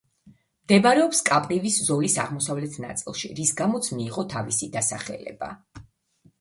მდებარეობს კაპრივის ზოლის აღმოსავლეთ ნაწილში, რის გამოც მიიღო თავისი დასახელება.